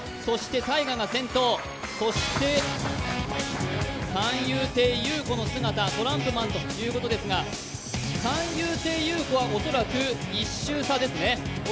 ＴＡＩＧＡが先頭、そして三遊亭遊子の姿トランプマンということですが、三遊亭遊子は恐らく１周差ですね。